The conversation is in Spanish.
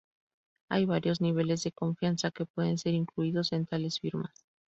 Hay varios niveles de confianza que pueden ser incluidos en tales firmas.